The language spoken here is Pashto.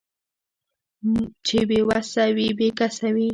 چې بې وسه وي بې کسه وي